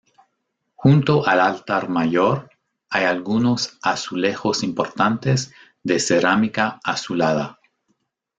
Junto al altar mayor hay algunos azulejos importantes de cerámica azulada.